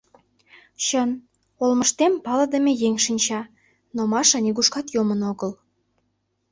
Чын, олмыштем палыдыме еҥ шинча, но Маша нигушкат йомын огыл.